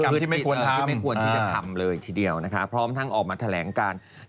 ผู้สูงชีวิตเนี้ยเขาอยู่ที่บ้านใจเกลือนะ